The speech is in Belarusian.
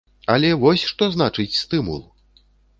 Але вось што значыць стымул!